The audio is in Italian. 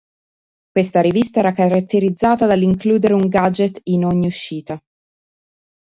Questa rivista era caratterizzata dall'includere un "gadget" in ogni uscita.